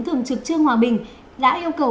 không rõ nguồn gốc